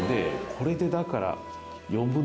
これでだから。